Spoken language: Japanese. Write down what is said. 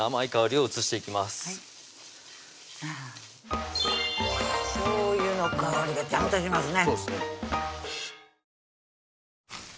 はいあしょうゆの香りがちゃんとしますね